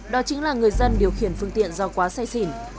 đó chính là người dân điều khiển phương tiện do quá say xỉn